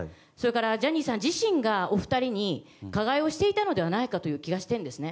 ジャニーさん自身がお二人に加害をしていたのではないかという気がしているんですね。